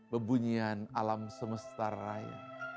bebunyian alam semesta raya